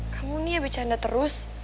kamu nih ya bercanda terus